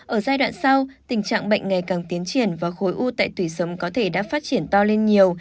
ở giai đoạn sau tình trạng bệnh ngày càng tiến triển và khối u tại tủy sống có thể đã phát triển to lên nhiều